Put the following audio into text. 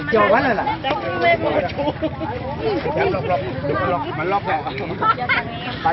จะกะหรี่ละ